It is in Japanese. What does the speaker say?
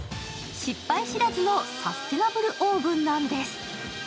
失敗知らずのサステナブル・オーブンなんです。